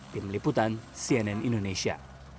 tim liputan cnn indonesia